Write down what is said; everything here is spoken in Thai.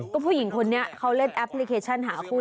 ก็ผู้หญิงคนนี้เขาเล่นแอปพลิเคชันหาคู่